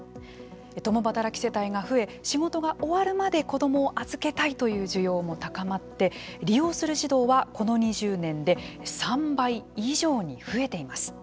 共働き世帯が増え仕事が終わるまで子どもを預けたいという需要も高まって利用する児童は、この２０年で３倍以上に増えています。